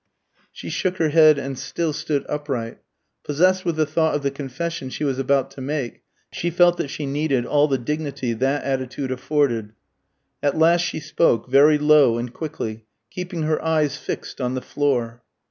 She shook her head and still stood upright. Possessed with the thought of the confession she was about to make, she felt that she needed all the dignity that attitude afforded. At last she spoke, very low and quickly, keeping her eyes fixed on the floor.